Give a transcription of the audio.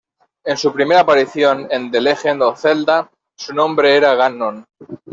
En su primera aparición, en The Legend of Zelda, su nombre era "Gannon".